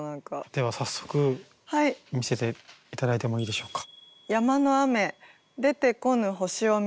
では早速見せて頂いてもいいでしょうか。